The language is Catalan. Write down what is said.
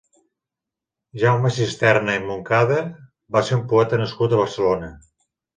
Jaume Sisterna i Montcada va ser un poeta nascut a Barcelona.